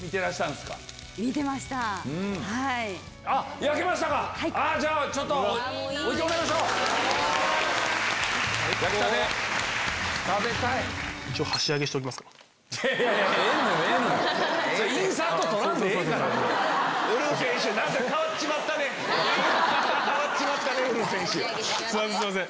すいません。